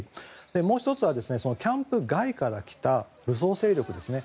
もう１つは、キャンプ外から来た武装組織ですね。